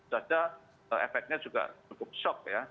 saja efeknya juga cukup shock ya